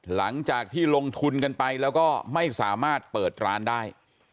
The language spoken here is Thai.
หลังจากที่ลงทุนกันไปแล้วก็ไม่สามารถเปิดร้านได้